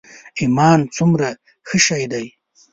ایمان څومره ښه شی دی.